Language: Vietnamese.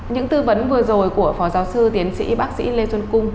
những tư vấn vừa rồi của phó giáo sư tiến sĩ bác sĩ lê xuân cung